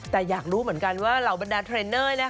แต่อยากรู้เหมือนกันว่าเหล่าบรรดาเทรนเนอร์